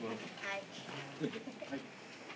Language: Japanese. はい。